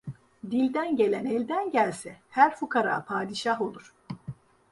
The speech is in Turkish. Dilden gelen elden gelse, her fukara padişah olur.